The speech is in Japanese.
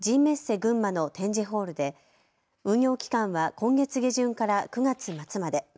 群馬の展示ホールで運用期間は今月下旬から９月末まで。